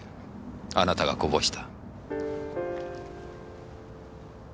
あなたがこぼした。